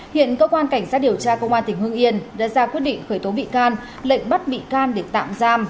hiện cơ quan cảnh sát điều tra công an tỉnh hương yên đã ra quyết định khởi tố bị can lệnh bắt bị can để tạm giam